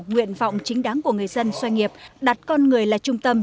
nguyện vọng chính đáng của người dân xoay nghiệp đặt con người là trung tâm